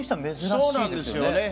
そうなんですよね。